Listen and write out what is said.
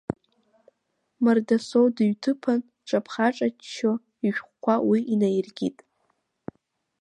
Мардасоу дыҩҭыԥан, дҿаԥхаҿаччо ишәҟәқәа уи инаииркит.